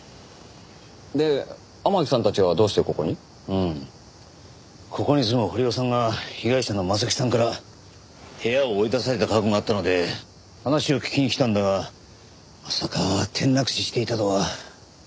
うんここに住む堀尾さんが被害者の征木さんから部屋を追い出された過去があったので話を聞きに来たんだがまさか転落死していたとは。